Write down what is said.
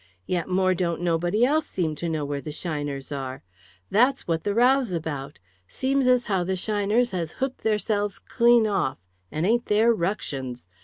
Yet more don't nobody else seem to know where the shiners are! That's what the row's about! Seems as how the shiners has hooked theirselves clean off and ain't there ructions!